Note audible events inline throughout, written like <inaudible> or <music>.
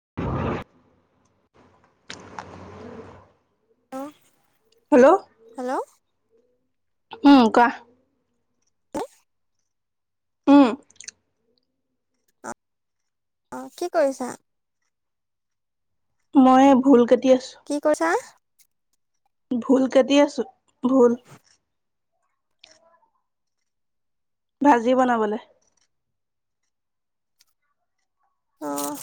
<inaudible> অ', hello hello! উম কোৱা। উম। অ কি কৰিছা? মই ভুল কে কি কৈছা? ভুল কাটি আছো ভুল। ভাজি বনাবলে। অ',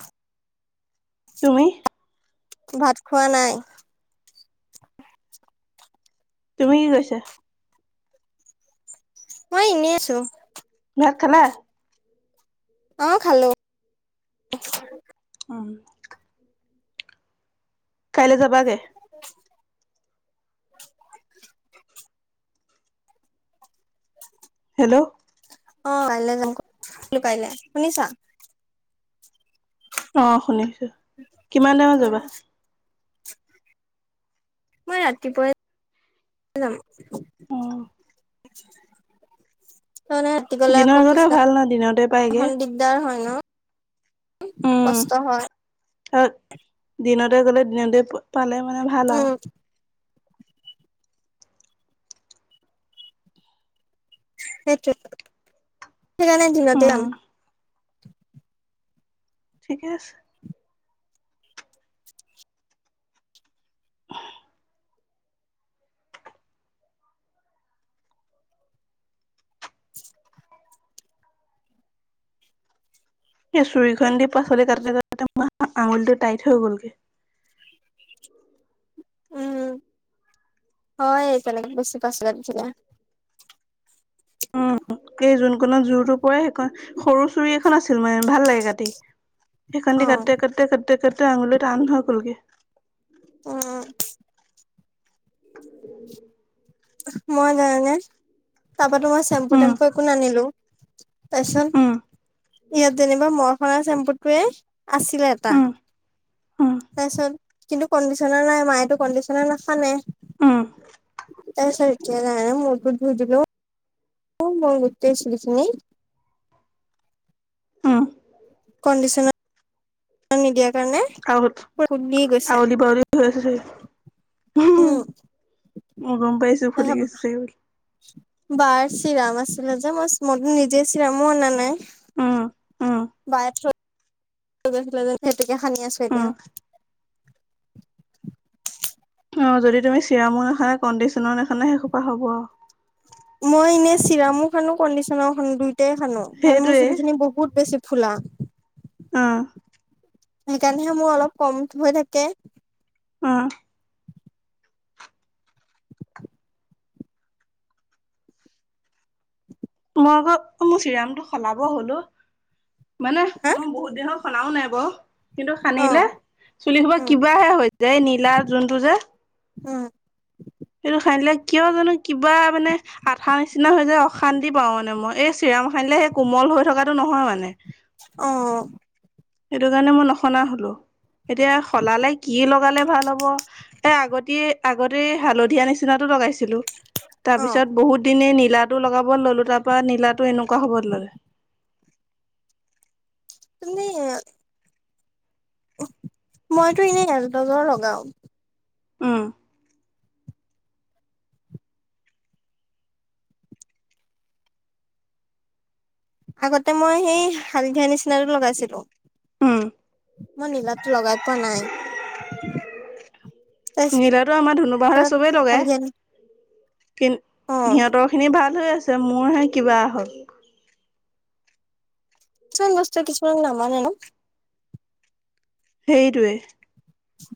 তুমি? ভাত খোৱা নাই? তুমি কি কৰিছা? মই ইনেই আছোঁ ভাত খালা অ খালোঁ উম কাইলৈ যাব <inaudible> হেল্ল'? অ কাইলৈ যাম ক কাইলৈ শুনিছা? অহ শুনিছো, কিমান টাইমত যাবা? অ', মই ৰাতিপুৱাই যাম। অ <inaudible> তাৰমানে ৰাতি গলে দিনৰ আকৌ ভাল ন দিনতে পায়গে পিছদিনাখন দিগদাৰ হয় ন? উম, কষ্ট হয়। তাক দিনতে গলে দিনতে পালে মানে ভাল আৱ। উম, সেইটোৱে, সেইকাৰণে দিনতে উম যাম। ঠিকে আছে। <inaudible> সেই চুৰিখন দি পাচলি কাটোতে কাটোতে আঙুলিটো টাইট হৈ গলগে। উ। <inaudible> উম, <inaudible> হয় এই তেনেকে বেছি পাছ দিছিলে। উম। কেইযোন কোনত জোৰটো পৰে সেইখন সৰু চুৰি এখন আছিল মানে ভাল লাগে কাটি। সেইখনেদি অ', কাটোতে -কাটোতে -কাটোতে -কাটোতে আঙুলিতো টান হৈ গলগে। উম। মই জানানে তাপাতো মই চেম্পু উম টেম্পু একো নানিলো। <unintelligible> উম তাৰপিছত ইয়াত যেনিবা ম‌ই হনা চেম্পুটোৱে। আছিলে এটা উম উম তাৰপিছত কিন্তু কণ্ডিশনাৰ নাই মাই। <unintelligible> এইটো কণ্ডিচনাৰ নাহানে। উম এই চকে ম গুজ। অ মই গোটেই চুলিখিনি। উম। কণ্ডিশনাৰ নিদিয়া। আ আৱলি বাউলি হৈ আছে দেই। উম। মই গম পাইছো এ ফুলি গৈছে চাগে বুলি বাৰ চিৰাম আছিলে। মই নিজে চিৰামো অনা নাই উম উম বাই থৈ। সেতোকে হানি আছো উম এতিয়া। অ যদি তুমি চিৰামো নাহানা কণ্ডিচনাৰো নাহানা সেইসোপা হ'ব। মই এনে চিৰামো হানো কডিচনাও হানো দুই। গোটেই হানো কাৰণ মোৰ সেইটোৱে চুলি খিনি বহুত বেছি ফুলা। অ সেইকাৰণেহে মোৰ অলপ কম হৈ থাকে। উম। মই আকৌ মোৰ চিৰামটো সলাব হ'ল অ মানে হা মই বহুত দেহত। হনাও নাই বাও। কিন্তু অ সানিলে চুলি সোপা উম কিবাহে হৈ যায় নীলা যোনটো যে। উম। সেইটো হানিলে কিয় জানো কিবা মানে আঠা নিচিনা হৈ যায় অশান্তি পাও মানে মই এই চিৰাম। <unintelligible> অ সানিলে সেই কোমল হৈ থকাটো নহয় মানে। অ। সেইটো কাৰণে মই নহনা হলো এতিয়া সলালে কি লগালে। ভাল হ'ব এ আগতে আগতে হালধীয়া নিচিনা টো লগাইছিলোঁ। তাৰ অ পিছত বহুত দিনে নীলাটো লগাব ললোঁ তাৰ পৰা নীলাটো এনেকুৱা। ক হবত ল'লে। তুমি। মইতো এনেই এলডজাৰ লগাও। উম। আগতে মই সেই হালধীয়া নিচিনাটো লগাইছিলোঁ। উম মই নীলাটো লগাই পোৱা নাই। এচ নীলাটো আমাৰ ধুনুবাহতে তত খালি আমি। কিন্তু সিহঁতৰ খিনি ভাল হৈ আছে মোৰহে কিবা হ'ল। কিছুমান বছতো কিছুমানক নামানে ন। সেইটোৱে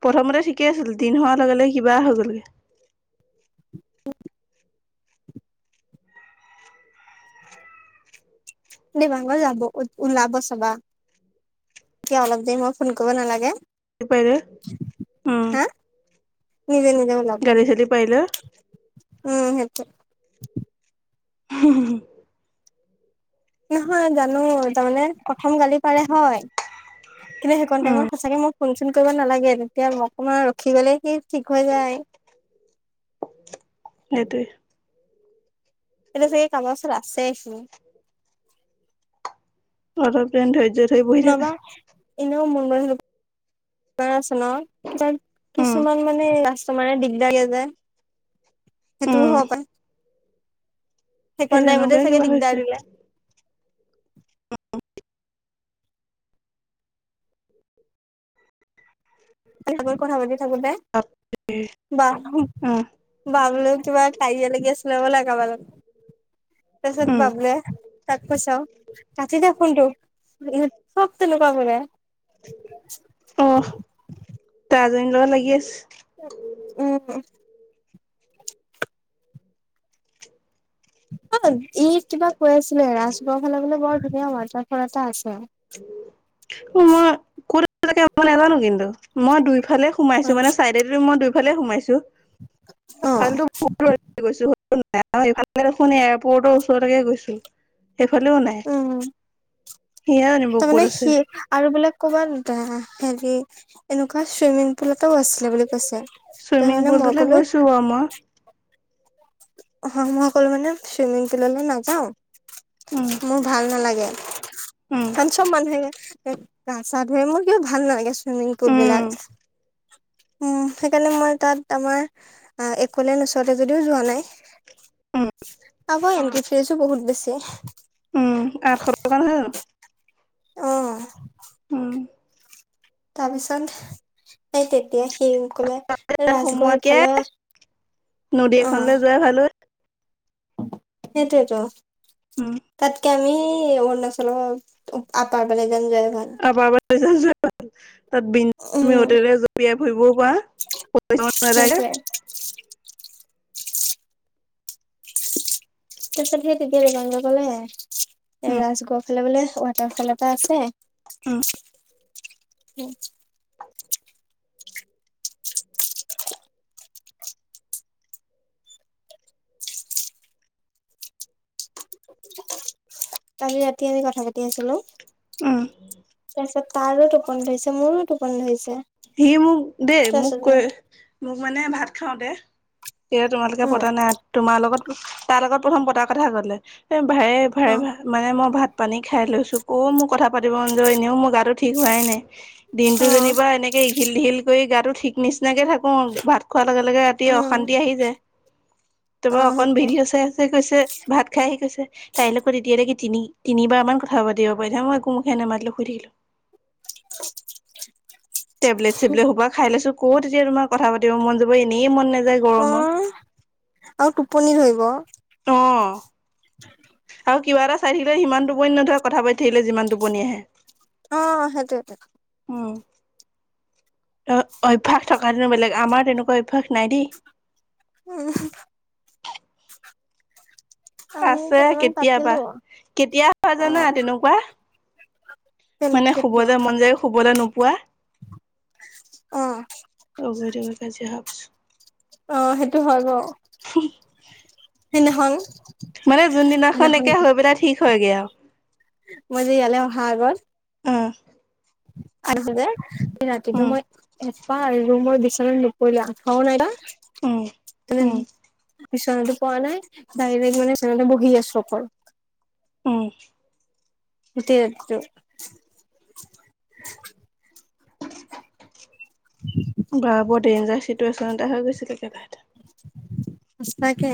প্ৰথমতে ঠিকে। ঠিকে আছিল দিন হোৱাৰ লগে লগে কিবা হৈ গ'লগে। দেভাঙৰ যাব ওলাব চাবা। <unintelligible> তে অলপ দেৰি মই ফোন কৰিব নালাগে। পাই উম। হা নিজে নিজে ওলাব উম গালি চালি পাৰিলে সেইটো। হু হু হু <unintelligible> নহয় জানো তাৰমানে প্ৰথম গালি পাৰে হয় কিন্তু সেইখন টাইমত সঁচাকে মোক ফোন চোন কৰিব নালাগে তেতিয়া অকণমান ৰখি গলে সি <unintelligible> ঠিক হৈ যায় সেইটোৱে এতিয়া চাগে কাবা ওচৰত আছে চু অলপ টাইম ধৈৰ্য ধৰি বহি থাক। এনেও মুন আছে ন যেন উম কিছুমান মানে তাচত কিছমানে দিগদাৰিয়ে যে সেইটোও উম হব পায়। সেই সেইকন টাইমতে তেনেকুৱাই চাগে কিবা হৈছে দিগদাৰ দিলে। অ অ <inaudible> কালি তোৰ লগত কথা পাতি থাকোতে বা উম বা বোলে কিবা কাজিয়া লাগি আছিলে হবলা কাবাৰ লগত পাচত উম বাবুয়ে তাক পচাও কাতি দে ফোনতো এহতক তেনেকোৱা কৰে অহ <unintelligible> এজনীৰ লগত লাগি আছে। উম অ ই কিবা কৈ আছিলে ৰাজগড় ফালে বলে বৰ ধুনীয়া ওলতাফল এটা আছে। উ মই কত আছো নাজানো কিন্তু মই দুইফালে সোমাইছো মানে চাইডেদি মই দুইফালে সোমাইছো অ <unintelligible> গৈছো ইফালে দেখোন এয়াৰপৰ্টৰ ওচৰলৈকে গৈছো। এইফালেও নাই। উম সিয়ে জানিব তাৰমানে ক'ত আছে সি আৰু বোলে কবাত দা হেৰি এনেকুৱা চুইমিং পুল এটাও আছিলে বুলি কৈছে। চুইমিং তাৰমানে মই পুলটোলৈ ক'লো গৈছো বাৰু মই হয় মই অকলো মানে চুইমিং পুললৈ নাযাও উম মোৰ ভাল নালাগে। উম তাত চব মানুহে গা চা ধুুৱে মোৰ কিয় ভাল নালাগে। চুইমিং পুল বিলাক উম উম সেইকাৰণে মই তাত আমাৰ এক'লেণ্ড ওচৰতে যদিও যোৱা নাই। উম আকৌ এন্টি ফিছো বহুত বেছি। উম আঠশ টকা নহয় জানো অ উম তাৰপিছত এই তেতিয়া সি কলে তাত ৰাজগড় সোমোৱাতকে ফালে নদী অহ এখনলৈ যোৱাই ভাল হয় সেইটোৱেটো উম তাতকে আমি অৰুণাচল আপাৰবলে <unintelligible> আবাৰ তাত বিমি উম হোটেলে জপিয়াই ফুৰিবও পাৰা নালাগে সেইটোৱে তিনিআলি এ উম ৰাজগড় ফালে বোলে ৱাটাৰ ফল এটা আছে। উ <inaudible> <inaudible> কালি ৰাতি আমি কথা পাতি আছিলো উম তাৰপিছত তাৰো টোপনিধৰিছে মোৰো টোপনি ধৰিছে। সি মোক দেই মোক তাৰপিছতে কৈ মোক মানে ভাত খাওঁ তে এ তোমালোকে উম পতা নাই তোমাৰ লগত তাৰ লগত প্ৰথম পতাৰ কথা কলে এ ভাৰে ভাৰে অ ভ মানে মই ভাত পানী খাই লৈছো কও মোৰ কথা পাতিব মন যোৱা এনেও মোৰ গাটো ঠিক হোৱাই নাই দিনতটো অ যেনিবা এনে ঘিল ঘিল কৰি গাটো ঠিক নিচিনাকে থাকো ভাত খোৱাৰ লগে লগে ৰাতি উম অশান্তি আহি যায়। অ তাৰপৰা অকন সেইটোৱে ভিদেও চাই আছে। কৈছে ভাত খাই আহি কৈছে তাই লগত এতিয়ালৈকে তিনি তিনিবাৰ মান কথা পাতিব পাৰি মই একো মুখে নেমাতিলো শুই থাকিলো। টেবলেট চেবলেট সোবা খাই লৈছো ক তেতিয়া তোমাৰ কথা পাতিব মন যাব এনেই মন নাযায় অ গৰমত। <inaudible> আৰু টোপনি ধৰিব। অ আৰু কিবা এটা চাই থাকিলে সিমান টোপন নধৰে কথা পাতি থাকিলে যিমান টোপনি আহে সেইটোৱে উম। অ অভ্যাস থকা সেতেন বেলেগ আমাৰ তেনেকুৱা অভ্যাস নাই দেই। উম আমি আছে কেইটামান কেতিয়াবা পাতিলো কেতিয়া হোৱা অ জানা তেনেকুৱা। <unintelligible> মানে কেতিয়া শুবলৈ মন যায় শুবলৈ নোপোৱা। অ অ গৈ কাজিয়া হোৱাৰ পিছত অ সেইটো হয় ব সেইদিনাখন। মানে যোনদিনাখন সেইদিনাখন একে হৈ পেলাই ঠিক হয়গে আৰু মই যে ইয়ালে অহা আগত। উম আৰু নহ'লে ৰাতিটো উম মই এচপাহ আৰু ৰুমৰ বিচনাত নুপৰিলা আথোৱাও নাই নাই উম, উ উম, বিচনাটো পোৱা নাই ডাইৰেক্ট মানে ফেনতে বহি আছো অকল উম গোটেই ৰাতিটো <unintelligible> বা বৰ ডেইনজাৰ চিটুৱেচন এটা হৈ গৈছিলে কেৰেলাত। সচাকে।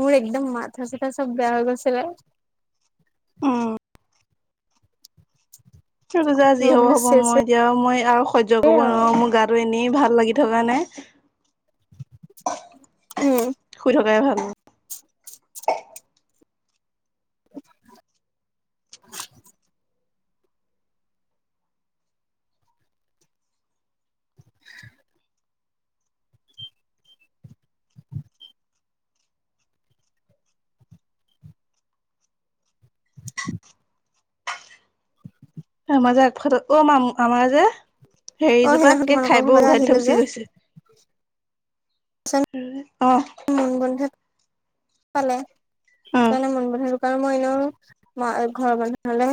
মোৰ একদম মাথা চাথা চব বেয়া হৈ গৈছিলে। উম পূজা যি মই হব বোলো হ'ব মই চেছে এতিয়া মই আৰু সহ্য কৰিব আৰু নোৱাৰো মোৰ গাটো এনেই ভাল ভাল লাগি থকা নাই। উম সদাই ভাল। <inaudible> আমাৰ যে আগফাত অ মাম আমাৰ যে অ সেইদিনাখন হেৰিজোপাত কি তোমালোকৰ খাই বো ঘৰলে উঘালি থৈ আহিলো যে গুচি গৈছে। তাৰপিছত আহ মুন বন্ধু পালে অ', তানে মণিহাৰি দোকান <unintelligible> মইনো মা ঘৰৰ মানুহলে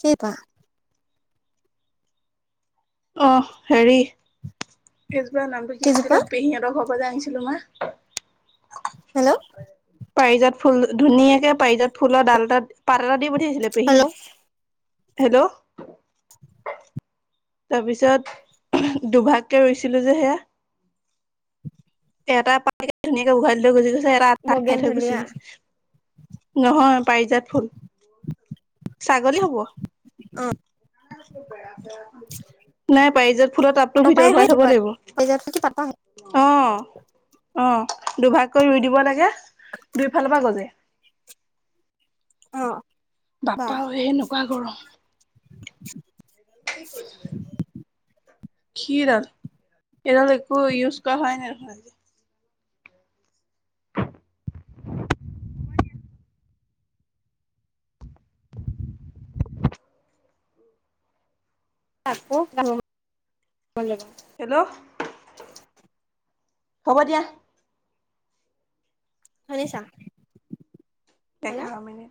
সেইবা আহ হেৰি। এবাৰ নামটো কি কিজোপা আছিলে পেহীহঁতৰ ঘৰৰ পৰা যে আনিছিলো মই হেল্ল' পাৰিজত ফুল ধুনীয়াকে পাৰিজত ফুলৰ ডাল এাত পাত এটা দি পঠিয়াইছিলে পেহীয়ে। হেল্ল' হেল্ল' তাৰপিছত দুভাগকে ৰুইছিলো যে সেয়া এটা পাইকে ধুনীয়াকে উঘালি লৈ গুজি গৈছে। ৰা খাই বগেন থৈ গুচি ভেলিয়া গৈছে নহয় পাৰিজাত ফুল। ছাগলী হ'ব। অ নাই পাৰিজত ফুলৰ টাপটো পাপাই ভিতৰত ভৰাই হয় কি থব পাত লাগিব পাত অ। অ দুভাগকৈ ৰুই দিব লাগে দুইফালৰ পৰা গজে। অ। বা বাপা অ এনেকুৱা গৰম। <inaudible> <inaudible> খীৰডাল এইডাল একো ইউজ কৰা হয় নাই দেখোন <unintelligible> আকৌ যাবলে <unintelligible> হেল্ল' হ'ব দিয়া শুনিছা হেল্ল' দেখা মানি